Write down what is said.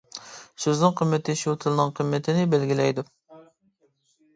سۆزنىڭ قىممىتى شۇ تىلنىڭ قىممىتىنى بەلگىلەيدۇ.